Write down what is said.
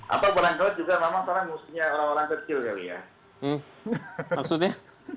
apakah berangkat juga memang orang orang kecil kali ya